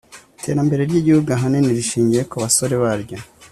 iterambere ryigihugu ahanini rishingiye kubasore baryo